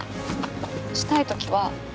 したい時は私に。